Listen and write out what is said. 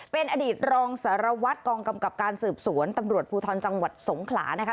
เป็นอดีตรองสารวัตรกองกำกับการสืบสวนตำรวจภูทรจังหวัดสงขลานะคะ